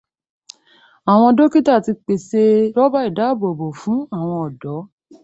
Àwọn Dọ́kítà ti pèsè rọ́bà ìdáábòbò fún àwọn ọ̀dọ́.